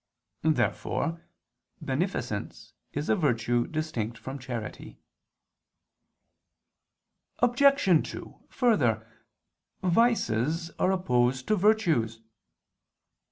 Therefore beneficence is a virtue distinct from charity. Obj. 2: Further, vices are opposed to virtues.